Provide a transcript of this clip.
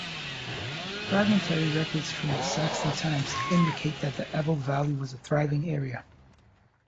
Fragmentary records from Saxon times indicate that the Ebble valley was a thriving area.